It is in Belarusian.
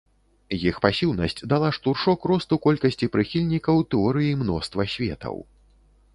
Іх пасіўнасць дала штуршок росту колькасці прыхільнікаў тэорыі мноства светаў.